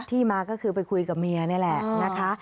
ที่มาก็คือไปคุยกับเมียนี่แหละนะคะ